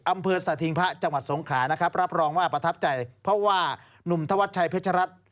อำเภอสถิงพระจังหวัดสงขานะครับรับรองว่าประทับใจเพราะว่าหนุ่มธวัชชัยเพชรัตน์